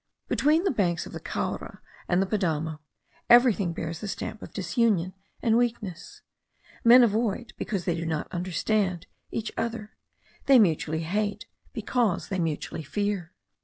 Between the banks of the Caura and the Padamo everything bears the stamp of disunion and weakness. Men avoid, because they do not understand, each other; they mutually hate, because they mutually fear.